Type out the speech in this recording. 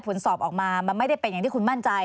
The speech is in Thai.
ผลสอบออกมามันไม่ได้เป็นอย่างที่คุณมั่นใจ